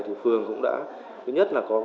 thì phường cũng đã thứ nhất là có